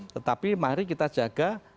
tetapi mari kita jaga